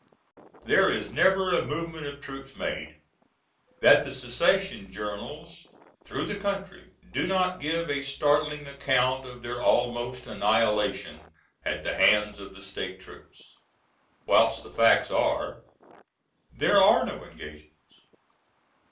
There is never a movement of troops made, that the secession journals through the country do not give a startling account of their almost annihilation at the hands of the State troops, whilst the facts are, there are no engagements.